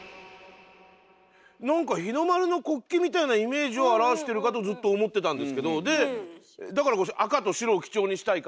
なんか日の丸の国旗みたいなイメージを表してるかとずっと思ってたんですけどだから赤と白を基調にしたいから。